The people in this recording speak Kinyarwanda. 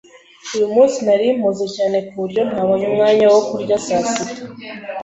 Uyu munsi nari mpuze cyane ku buryo ntabonye umwanya wo kurya saa sita.